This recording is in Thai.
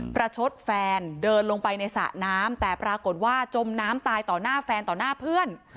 ประชดแฟนเดินลงไปในสระน้ำแต่ปรากฏว่าจมน้ำตายต่อหน้าแฟนต่อหน้าเพื่อน